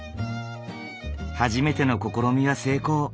初めての試みは成功。